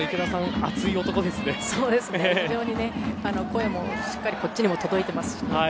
声もしっかりこっちにも届いていますし。